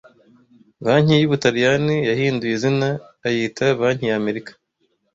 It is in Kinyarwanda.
Banki y'Ubutaliyani yahinduye izina ayita Banki ya Amerika